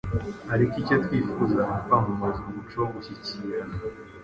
ariko icyo twifuza ni ukwimakaza umuco wo gushyikirana